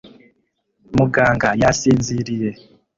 muganga yisinziriye